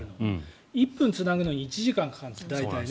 １分つなぐのに大体１時間かかるんです。